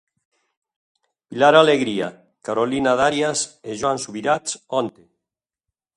Pilar Alegría, Carolina Darias e Joan Subirats, onte.